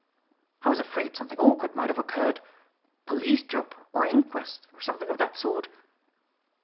"I was afraid something awkward might have occurred, police job or inquest or something of that sort."